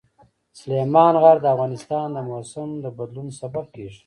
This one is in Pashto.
سلیمان غر د افغانستان د موسم د بدلون سبب کېږي.